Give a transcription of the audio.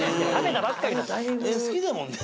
好きだもんね。